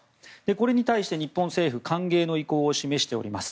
これに対して日本政府歓迎の意向を示しております。